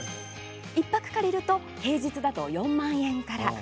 １泊借りると平日だと４万円から。